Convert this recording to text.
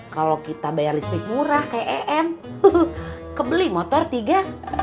kalau kita bayar listrik murah kayak em kebeli motor tiga